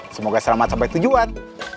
semoga selamat sampai tujuan